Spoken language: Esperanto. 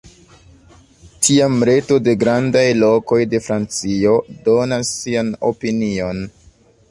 Tiam Reto de Grandaj Lokoj de Francio donas sian opinion.